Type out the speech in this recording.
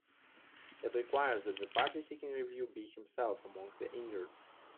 It requires that the party seeking review be himself among the injured.